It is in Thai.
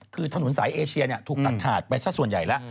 คือถนนสายเอเชียถูกตัดขาดไปสักส่วนใหญ่แล้ว